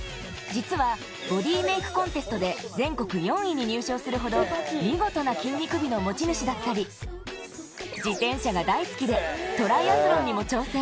実はボディメイクコンテストで全国４位に入賞するほど見事な筋肉美の持ち主だったり、自転車が大好きでトライアスロンにも挑戦。